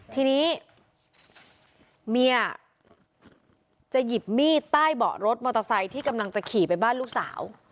ทีนี้เมียจะหยิบมีดใต้เบาะรถมอเตอร์ไซค์ที่กำลังจะขี่ไปบ้านลูกสาว